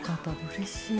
うれしい。